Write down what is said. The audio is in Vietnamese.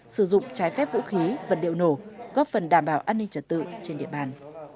sử dụng trái phép vũ khí vật liệu nổ góp phần đảm bảo an ninh trật tự trên địa bàn